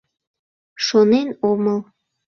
Шонен омыл...